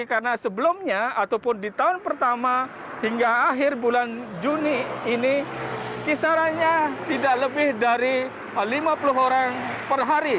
karena sebelumnya ataupun di tahun pertama hingga akhir bulan juni ini kisarannya tidak lebih dari lima puluh orang per hari